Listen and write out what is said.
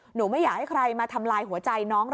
หนูไม่อยากให้ใครมาทำลายหัวใจ